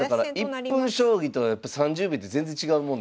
１分将棋とやっぱ３０秒って全然違うもんですか？